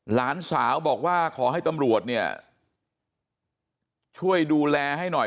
หลานสาวบอกว่าขอให้ตำรวจเนี่ยช่วยดูแลให้หน่อย